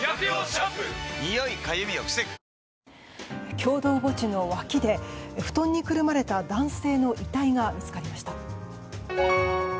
共同墓地の脇で布団にくるまれた男性の遺体が見つかりました。